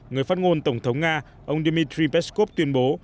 người phát ngôn tổng thống nga ông dmitry peskov tuyên bố